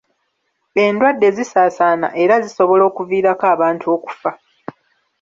Endwadde zisaasaana era zisobola okuviirako abantu okufa.